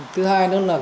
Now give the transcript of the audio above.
thứ hai đó là